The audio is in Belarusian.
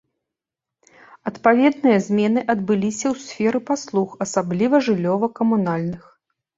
Адпаведныя змены адбыліся ў сферы паслуг, асабліва жыллёва-камунальных.